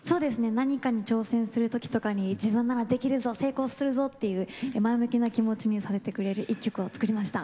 何かに挑戦するときとかに自分ならできるぞ成功するぞっていう前向きな気持ちにさせてくれる一曲を作りました。